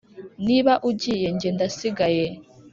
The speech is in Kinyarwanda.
niba ugiye nge ndasigaye,